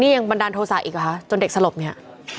ยังบันดาลโทษะอีกเหรอคะจนเด็กสลบเนี่ย